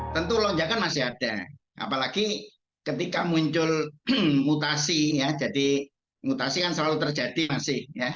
tentu lonjakan masih ada apalagi ketika muncul mutasi ya jadi mutasi kan selalu terjadi masih